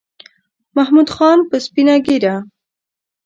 محمود خان په سپینه ګیره